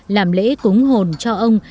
làm lễ cúng hồn cho ông